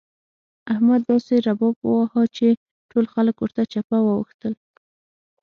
احمد داسې رباب وواهه چې ټول خلګ ورته چپه واوښتل.